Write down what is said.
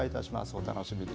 お楽しみに。